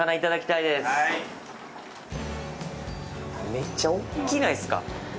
めっちゃおっきないですか。